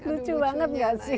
lucu banget gak sih